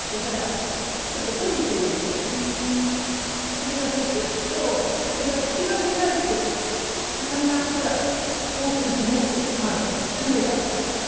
それが熟すとそれが口が開いてだんだんほら大きく開いてタネがてんこ盛りになっちゃう。